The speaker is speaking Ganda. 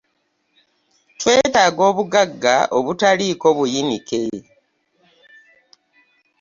Twetaaga obuggaga obutaliiko buyinike.